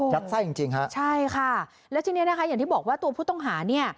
ไส้จริงจริงฮะใช่ค่ะแล้วทีนี้นะคะอย่างที่บอกว่าตัวผู้ต้องหาเนี่ย